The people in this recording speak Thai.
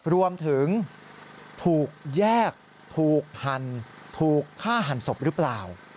รวมถึงถูกแยกถูกหั่นถูกฆ่าหันศพหรือเปล่า